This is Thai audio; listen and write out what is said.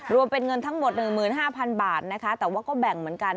รวมเป็นเงินทั้งหมด๑๕๐๐๐บาทนะคะแต่ว่าก็แบ่งเหมือนกัน